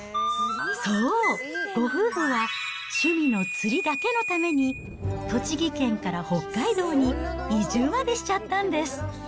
そう、ご夫婦は趣味の釣りだけのために、栃木県から北海道に移住までしちゃったんです。